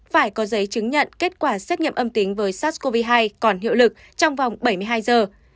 phải có giấy chứng nhận kết quả xét nghiệm âm tính với sars cov hai còn hiệu lực trong vòng bảy mươi hai giờ